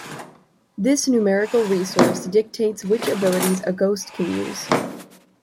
This numerical resource dictates which abilities a ghost can use.